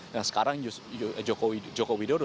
nah sekarang joko widodo